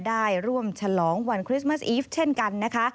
ได้ร่วมฉลองวันคริสต์มัสอีฟเช่นกันนะคะ